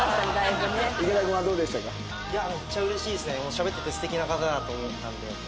しゃべってて素敵な方だと思ったんで。